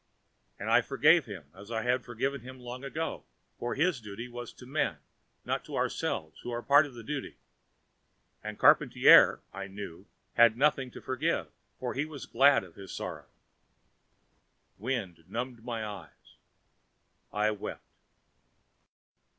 And I forgave him, as I had forgiven him long ago. For his duty was to men, not to ourselves who were part of that duty. And Charpantier, I knew, had nothing to forgive, for he was glad of his sorrow. The wind numbed my eyes. I wept.